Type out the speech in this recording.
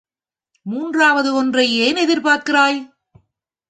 மூன்றாவது ஒன்றை ஏன் எதிர் பார்க்கிறாய்?